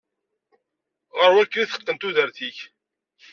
Ɣer wakken i teqqen tudert-ik.